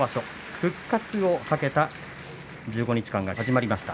復活をかけた１５日間が始まりました。